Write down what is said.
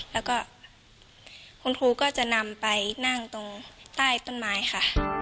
แล้วก็คุณครูก็จะนำไปนั่งตรงใต้ต้นไม้ค่ะ